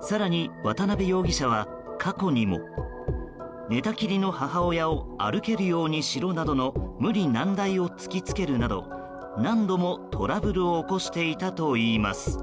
更に、渡辺容疑者は過去にも寝たきりの母親を歩けるようにしろなどの無理難題を突きつけるなど何度もトラブルを起こしていたといいます。